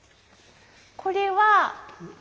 これは２。